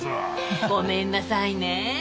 ごめんなさいねえ。